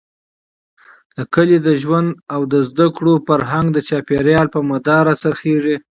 د کلي د ژوند او زده کړو، فرهنګ ،چاپېريال، په مدار را څرخېږي.